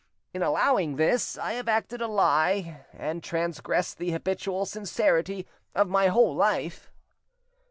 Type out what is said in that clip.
In allowing this, I have acted a lie, and transgressed the habitual sincerity of my whole life."